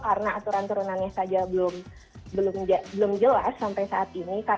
karena aturan turunannya saja belum jelas sampai saat ini